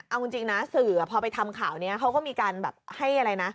เอาจริงนะสื่อพอไปทำข่าวนี้เขาก็มีการแบบให้อะไรนะ